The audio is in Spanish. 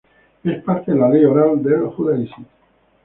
Es parte de la ley oral del judaísmo.